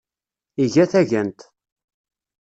Iga tagant.